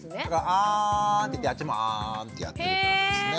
「あん」ってやってあっちも「あん」ってやってるってことですね。